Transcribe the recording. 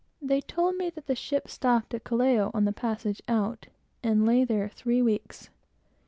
They told me that the ship stopped at Callao in the passage out, and there lay three weeks.